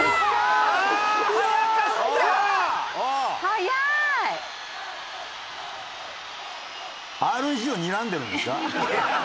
「早い」「ＲＧをにらんでるんですか？」